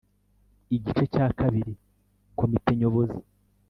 igice cya kabiri komite nyobozi